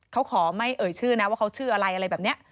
เขาขอไม่เอ่ยชื่อนะว่าเขาชื่ออะไรอะไรแบบนี้